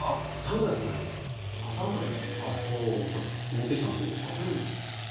持ってきたんですけど。